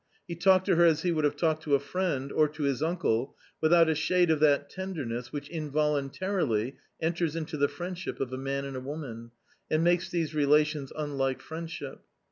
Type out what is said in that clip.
He talked to her as he would have talked to a friend, or to his uncle, without a shade of that tenderness which involuntarily enters into the friendship of a man and a woman, and makes these relations unlike ^^fri^ndship.